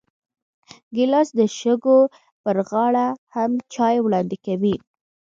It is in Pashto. ګیلاس د شګو پر غاړه هم چای وړاندې کوي.